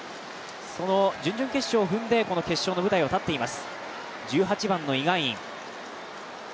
その準々決勝を踏んでこの決勝の舞台を踏んでいます。